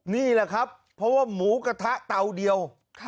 นี่แหละครับเพราะว่าหมูกระทะเตาเดียว